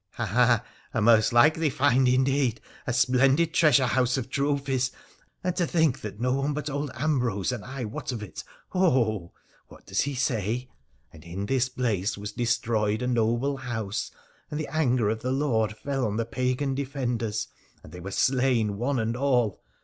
' Ha ! ha ! a most likely find indeed, a splendid treasure house of trophies — and to think that no one but old Ambrose and I wot of it, ho ! ho ! What does he say ?" And in this 'place was destroyed a noble house, and the anger of the Lord fell on the pagan defenders, and they were slain one and all.